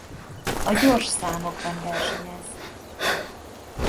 A gyors számokban versenyez.